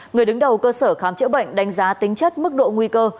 người đứng đầu cơ sở khám chữa bệnh đánh giá tính chất mức độ nguy cơ